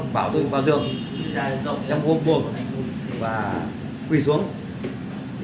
bảo tôi vào giường trong khuôn cuồng và quy xuống